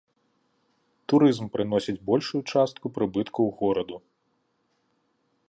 Турызм прыносіць большую частку прыбыткаў гораду.